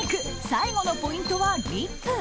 最後のポイントはリップ。